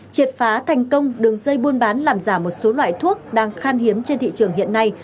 triệt phá thành công đường dây buôn bán làm giả một số loại thuốc đang khan hiếm trên thị trường hiện nay